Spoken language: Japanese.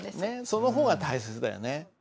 その方が大切だよね。